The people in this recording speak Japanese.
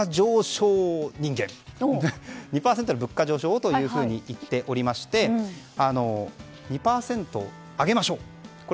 ２％の物価上昇をというふうに言っておりまして２％上げましょう。